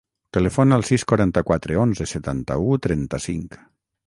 Telefona al sis, quaranta-quatre, onze, setanta-u, trenta-cinc.